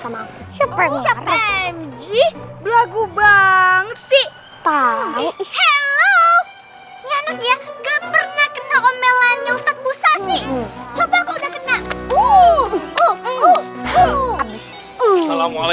sebentar lagi kita sholat berjamaah